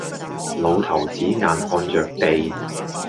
老頭子眼看着地，